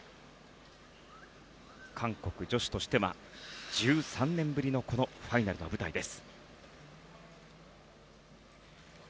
韓国女子としては１３年ぶりのこのファイナルの舞台です。